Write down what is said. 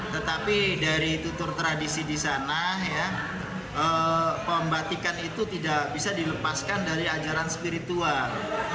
tetapi dari tutur tradisi di sana ya pembatikan itu tidak bisa dilepaskan dari ajaran spiritual